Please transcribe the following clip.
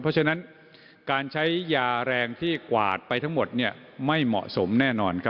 เพราะฉะนั้นการใช้ยาแรงที่กวาดไปทั้งหมดไม่เหมาะสมแน่นอนครับ